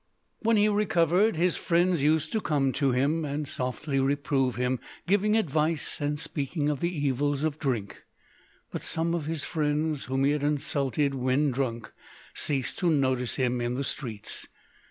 When he recovered, his friends used to come to him, and softly reprove him, giving advice and speaking of the evils of drink. But some of his friends, whom he had insulted when drunk, ceased to notice him in the streets.